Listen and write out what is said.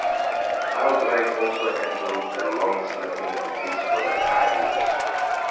Albright also handled the long snapping duties for the Tar Heels.